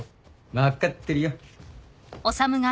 分かってるよ。